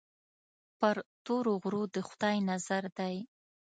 پر تورو غرو د خدای نظر دی.